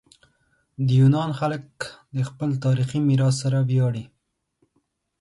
د یونان خلک د خپل تاریخي میراث سره ویاړي.